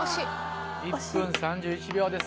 １分３１秒です。